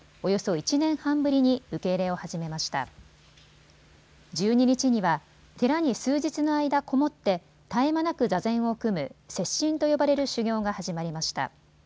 １２日には寺に数日の間こもって絶え間なく座禅を組む摂心と呼ばれる修行が始まりました。